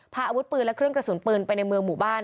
พาอาวุธปืนและเครื่องกระสุนปืนไปในเมืองหมู่บ้าน